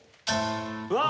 うわあ！